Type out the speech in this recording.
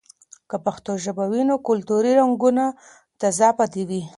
که پښتو ژبه وي، نو کلتوري رنګونه تازه پاتې وي.